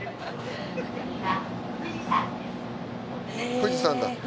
富士山だ。